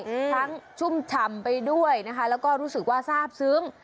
ทั้งชุ่มฉ่ำไปด้วยนะคะแล้วก็รู้สึกว่าทราบซึ้ง